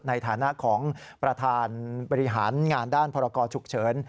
ในฐานะของประธานบริหารงานด้านพรกรฉุกเฉิน